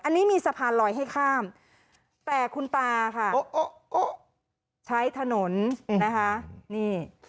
อันนี้มีสะพานลอยให้ข้ามแต่คุณตาค่ะใช้ถนนนะคะนี่